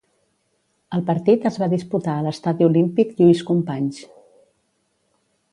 El partit es va disputar a l'Estadi Olímpic Lluís Companys.